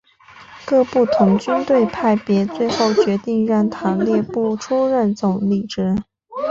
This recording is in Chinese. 各个不同军队派别最后决定让塔列布出任总理职。